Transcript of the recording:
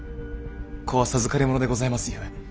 子は授かりものでございますゆえ。